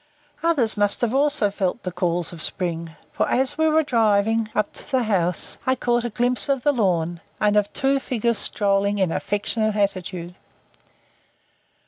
Others must have also felt the calls of the spring, for as we were driving up to the house, I caught a glimpse of the lawn and of two figures strolling in affectionate attitude.